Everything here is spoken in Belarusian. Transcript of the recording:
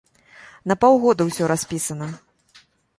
На паўгода ўсё распісана.